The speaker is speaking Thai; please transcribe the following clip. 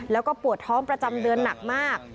แล้วก็ปวดท้องประจำเดือนหนักมาก